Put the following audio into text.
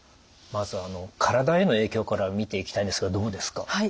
まず体への影響から見ていきたいんですがどうですか？